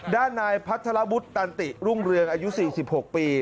ด้านนายพัทรวุฒิตันติรุ่งเรืองอายุ๔๖ปี